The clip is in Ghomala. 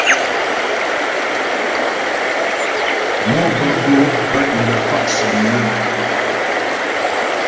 Mò bə́ go'o bə́ é lə fa' sɔ́mywə.